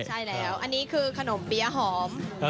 ใช่แล้วอันนี้คือขนมเปี๊ยะหอม